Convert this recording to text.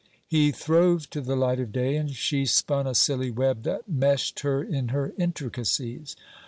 He throve to the light of day, and she spun a silly web that meshed her in her intricacies.